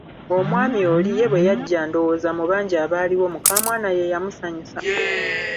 Omwami oli ,ye bwe yajja ,ndowooza mu bangi abaaliwo mukaamwana ye yamusanyusa.